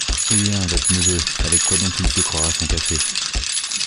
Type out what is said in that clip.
Eh! bien, votre neveu, avec quoi donc qu’il sucrera son café?